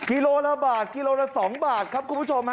กิโลละบาทกิโลละ๒บาทครับคุณผู้ชมฮะ